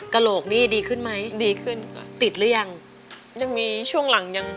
กระโหลกนี่ดีขึ้นไหมดีขึ้นติดหรือยังยังมีช่วงหลังยัง